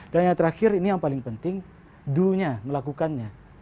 yang terakhir ini yang paling penting dulunya melakukannya